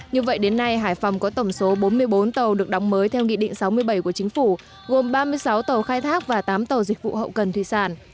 như vậy đến nay hải phòng có tổng số bốn mươi bốn tàu được đóng mới theo nghị định sáu mươi bảy của chính phủ gồm ba mươi sáu tàu khai thác và tám tàu dịch vụ hậu cần thủy sản